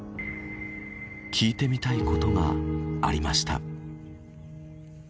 聞いてみたいことがありました。